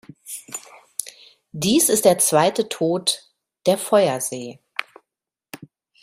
Dies ist der zweite Tod, der Feuersee.